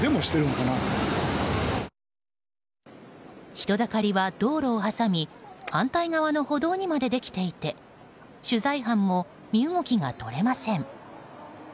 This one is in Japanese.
人だかりは道路を挟み反対側の歩道にまでできていて取材班も身動きが取れません。